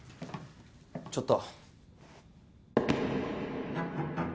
・ちょっと。